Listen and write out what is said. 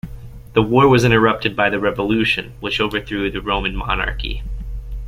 The war was interrupted by the revolution which overthrew the Roman monarchy.